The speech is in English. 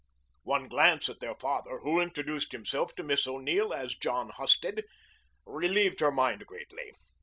One glance at their father, who introduced himself to Miss O'Neill as John Husted, relieved her mind greatly.